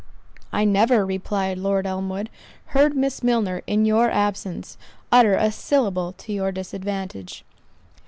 "I never," replied Lord Elmwood, "heard Miss Milner, in your absence, utter a syllable to your disadvantage."